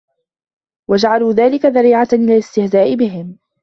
وَجَعَلُوا ذَلِكَ ذَرِيعَةً إلَى الِاسْتِهْزَاءِ بِهِمْ